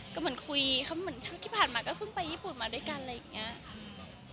ก็เหมือนคุยเขาเหมือนชุดที่ผ่านมาก็เพิ่งไปญี่ปุ่นมาด้วยกันอะไรอย่างนี้